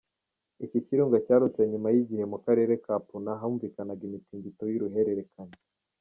Iki kirunga cyarutse nyuma y’igihe mu karere ka Puna humvikana imitingito y’uruhererekane.